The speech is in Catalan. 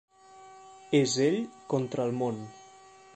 És ell contra el món.